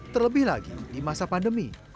terlebih lagi di masa pandemi